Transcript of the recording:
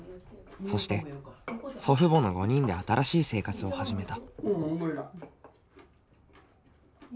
そして祖父母の５人で新しい生活を始めた。